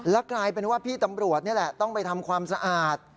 แล้วกลายเป็นว่าพี่ตำรวจนี่แหละต้องไปทำความสะอาด